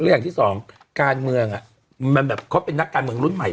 อย่างที่สองการเมืองมันแบบเขาเป็นนักการเมืองรุ่นใหม่